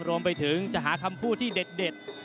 รวมไปถึงจะหาคำพูดที่เด็ด